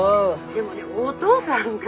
☎でもねお父さんが。